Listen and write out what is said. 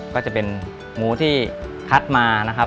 ก็จะเป็นหมูที่คัดมา